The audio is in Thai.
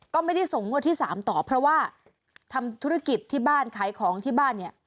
ก็ไม่ได้ส่งงวดที่๓ต่อเพราะว่าทำธุรกิจที่บ้านขายของที่บ้านเนี่ย